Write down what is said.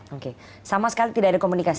oke sama sekali tidak ada komunikasi